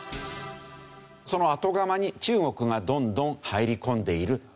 その後釜に中国がどんどん入り込んでいる。